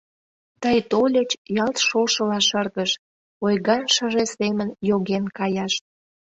Тый тольыч, ялт шошыла шыргыж, ойган шыже семын йоген каяш.